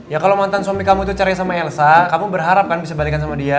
ya kalau mantan suami kamu itu cari sama elsa kamu berharap kan bisa balikan sama dia